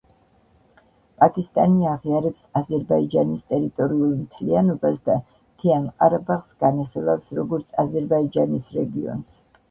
პაკისტანი აღიარებს აზერბაიჯანის ტერიტორიულ მთლიანობას და მთიან ყარაბაღს განიხილავს, როგორც აზერბაიჯანის რეგიონს.